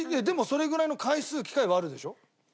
でもそれぐらいの回数機会はあるでしょ？